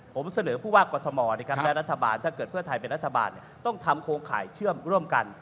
ผมเสนอผู้ว่ากรทมและรัฐบาลถ้าเกิดเพื่อไทยเป็นรัฐบาลต้องทำโครงข่ายเชื่อมร่วมกัน